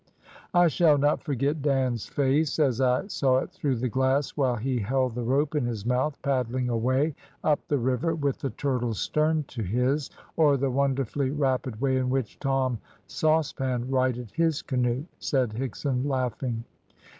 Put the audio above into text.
"I shall not forget Dan's face, as I saw it through the glass, while he held the rope in his mouth, paddling away up the river, with the turtle's stern to his, or the wonderfully rapid way in which Tom Saucepan righted his canoe," said Higson, laughing.